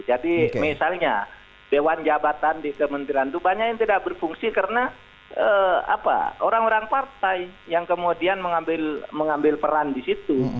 jadi misalnya dewan jabatan di kementerian itu banyak yang tidak berfungsi karena apa orang orang partai yang kemudian mengambil peran di situ